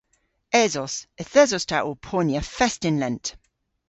Esos. Yth esos ta ow ponya fest yn lent.